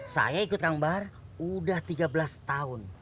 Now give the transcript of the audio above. saya ikut kang bar udah tiga belas tahun